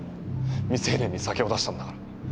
未成年に酒を出したんだから。